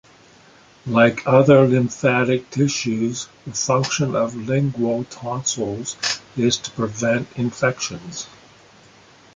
Like other lymphatic tissues, the function of lingual tonsils is to prevent infections.